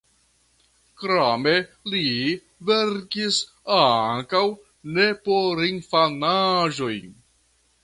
Krome li verkis ankaŭ neporinfanaĵoj.